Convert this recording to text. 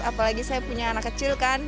apalagi saya punya anak kecil kan